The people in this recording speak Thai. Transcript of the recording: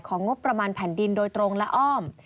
งบประมาณแผ่นดินโดยตรงและอ้อม